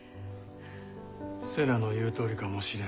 瀬名の言うとおりかもしれぬ。